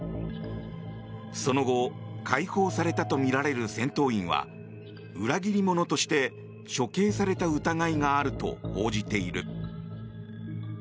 その後解放されたとみられる戦闘員は裏切り者として処刑された疑いがあると報じている。